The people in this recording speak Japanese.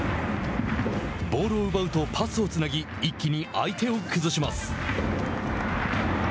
ボールを奪うとパスをつなぎ一気に相手を崩します。